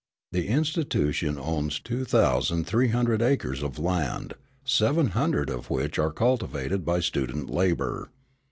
The institution owns two thousand three hundred acres of land, seven hundred of which are cultivated by student labor.